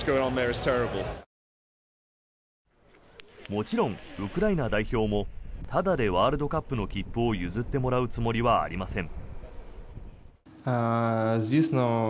もちろんウクライナ代表もタダでワールドカップの切符を譲ってもらうつもりはありません。